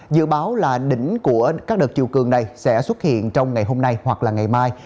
dự báo là đỉnh của các đợt chiều cường này sẽ xuất hiện trong ngày hôm nay hoặc là ngày mai